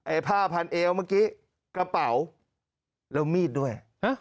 ผ้าพันเอวเมื่อกี้กระเป๋าแล้วมีดด้วย